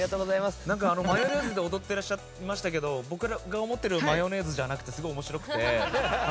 なんかマヨネーズで踊ってらっしゃいましたけど僕が思ってるマヨネーズじゃなくてすごい面白くて。